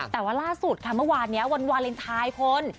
แต่ว่าล่าสุดค่ะเมื่อวานนี้วันวาเลนไทยคุณ